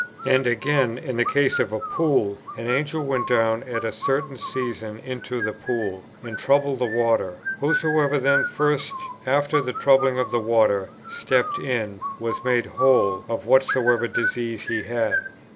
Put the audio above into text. And again in the case of a pool: "An Angel went down at a certain season into the pool, and troubled the water; whosoever then first, after the troubling of the water, stepped in, was made whole of whatsoever disease he had."